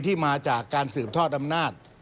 มาจากการสืบทอดอำนาจ